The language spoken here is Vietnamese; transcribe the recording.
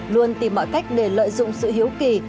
luôn tìm mọi cách để lợi dụng sự hiếu kỳ